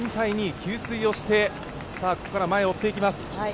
給水をしてここから前を追っていきます。